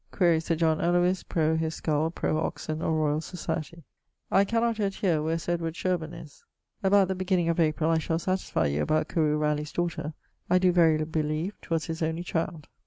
Quaere Sir John Ellowys pro his skull pro Oxon or Royal Societie. (I cannot yet heare where Sir Edward Shirburne is.) About the beginning of April I shall satisfy you about Carew Ralegh's daughter I doe verily believe 'twas his only child.